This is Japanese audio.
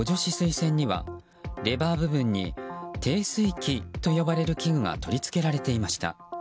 栓にはレバー部分に停水器と呼ばれる器具が取り付けられていました。